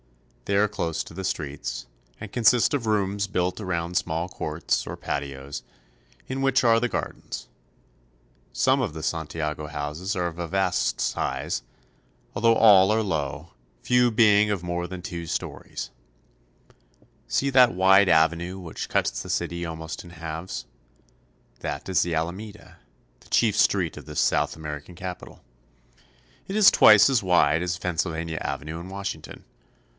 They are close to the streets, and consist of rooms built around small courts, or patios, in which are the gardens. Some of the Santiago houses are of vast size, although all are low, few being of more than two stories. 'he Alameda, the chief street of this South American capital." See that wide avenue which cuts the city almost in halves. That is the Alameda, the chief street of this South American capital. It is twice as wide as Pennsylvania Avenue in Washington.